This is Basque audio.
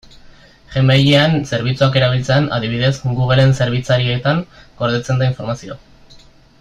Gmail-en zerbitzuak erabiltzean, adibidez, Google-en zerbitzarietan gordetzen da informazioa.